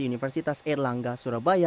universitas erlangga surabaya